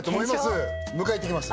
検証迎え行ってきます